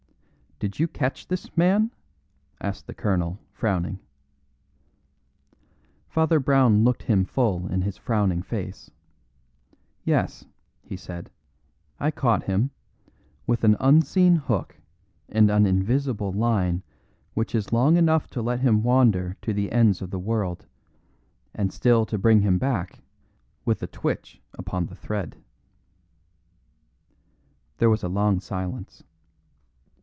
"Did you catch this man?" asked the colonel, frowning. Father Brown looked him full in his frowning face. "Yes," he said, "I caught him, with an unseen hook and an invisible line which is long enough to let him wander to the ends of the world, and still to bring him back with a twitch upon the thread." There was a long silence.